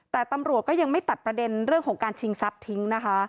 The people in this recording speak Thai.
แต่ตำรวจก็ยังไม่ตัดประเด็นเรื่องของการชิงทรัพย์ทิ้งนะคะ